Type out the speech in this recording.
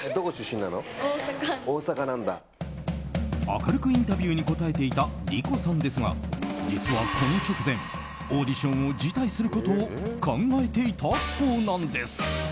明るくインタビューに答えていた莉子さんですが実は、この直前オーディションを辞退することを考えていたそうなんです。